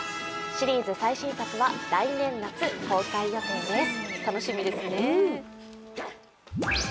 シリーズ最新作は来年夏公開予定です。